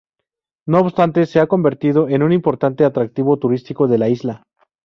No obstante se ha convertido en un importante atractivo turístico de la isla.